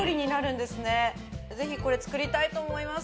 ぜひこれ作りたいと思います。